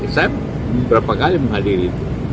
saya berapa kali menghadiri itu